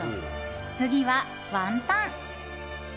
次はワンタン。